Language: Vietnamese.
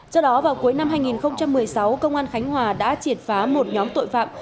trước đó vào cuối năm hai nghìn một mươi sáu công an khánh hòa đã triệt phá một nhóm tội phạm